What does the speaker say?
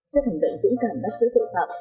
trước hành động dũng cảm bắt giữ tội phạm